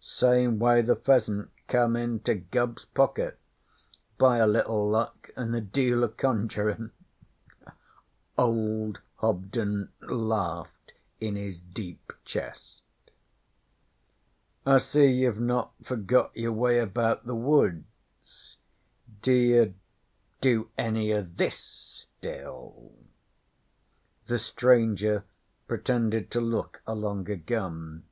'Same way the pheasant come into Gubbs's pocket by a little luck an' a deal o' conjurin'.' Old Hobden laughed in his deep chest. 'I see you've not forgot your way about the woods. D'ye do any o' this still?' The stranger pretended to look along a gun.